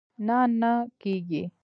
نه، نه کېږي